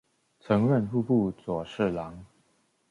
曾任户部左侍郎。